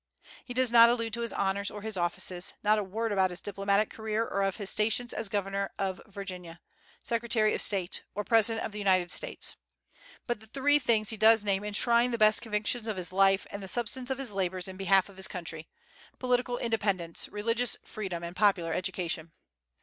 He does not allude to his honors or his offices, not a word about his diplomatic career, or of his stations as governor of Virginia, Secretary of State, or President of the United States. But the three things he does name enshrine the best convictions of his life and the substance of his labors in behalf of his country, political independence, religious freedom, and popular education.